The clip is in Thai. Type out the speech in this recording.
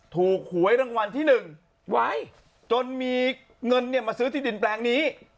ถูกหวยรางวัลที่๑ไว้จนมีเงินมาซื้อที่ดินแปลงนี้